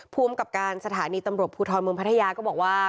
ภูมิกับการสถานีตำรวจภูทรเมืองพัทยาก็บอกว่า